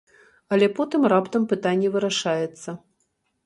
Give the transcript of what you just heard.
Але потым раптам пытанне вырашаецца.